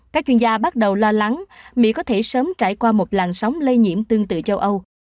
các chuyên gia bắt đầu lo lắng mỹ có thể sớm trải qua một làn sóng lây nhiễm tương tự châu âu